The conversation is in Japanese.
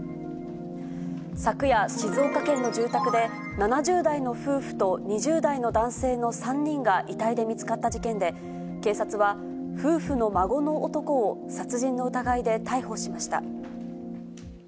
昨夜、静岡県の住宅で、７０代の夫婦と２０代の男性の３人が遺体で見つかった事件で、警察は、夫婦の孫の男を殺人の疑いで逮捕しました。